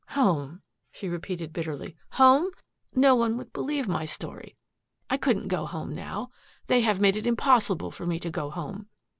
"Home?" she repeated bitterly. "Home? No one would believe my story. I couldn't go home, now. They have made it impossible for me to go home.